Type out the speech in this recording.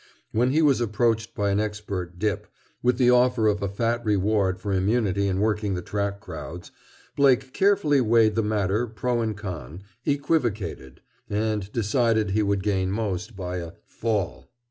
When he was approached by an expert "dip" with the offer of a fat reward for immunity in working the track crowds, Blake carefully weighed the matter, pro and con, equivocated, and decided he would gain most by a "fall."